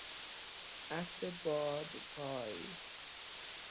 اسب باد پای